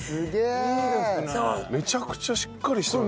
めちゃくちゃしっかりしてる。